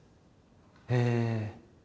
へえ。